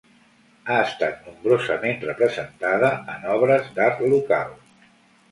Ha estat nombrosament representada en obres d'art local.